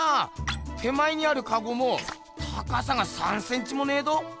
手前にあるかごも高さが３センチもねぇど。